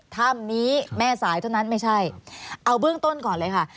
ถ้ำนี้แม่สายเท่านั้นไม่ใช่เอาเบื้องต้นก่อนเลยค่ะ